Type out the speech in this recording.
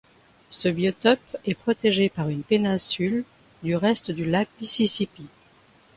Ce biotope est protégé par une péninsule du reste du lac Mississippi.